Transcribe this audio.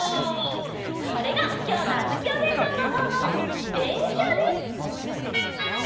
これがきょうのあづきおねえさんのそうぞう「でんしゃ」です！